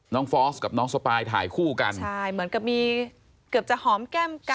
ฟอสกับน้องสปายถ่ายคู่กันใช่เหมือนกับมีเกือบจะหอมแก้มกัน